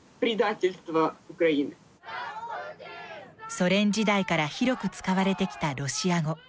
ソ連時代から広く使われてきたロシア語。